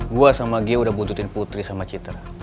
gue sama gia udah buntutin putri sama citer